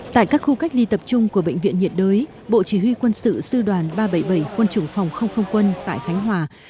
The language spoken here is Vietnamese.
tại các khu cách ly tập trung của bệnh viện nhiệt đới bộ chỉ huy quân sự sư đoàn ba trăm bảy mươi bảy quân chủng phòng không không quân tại khánh hòa